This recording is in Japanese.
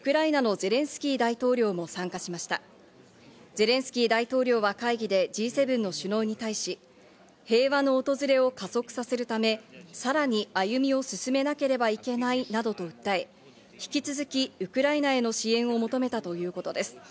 ゼレンスキー大統領は会議でＧ７の首脳に対し、平和の訪れを加速させるため、さらに歩みを進めなければいけないなどと訴え、引き続きウクライナへの支援を求めたということです。